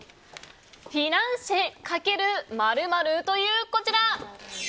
フィナンシェ×○○というこちら。